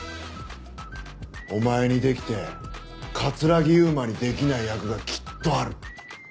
お前にできて城悠真にできない役がきっとある。